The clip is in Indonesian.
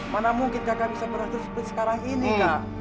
mana mungkin kakak bisa beratur seperti sekarang ini kak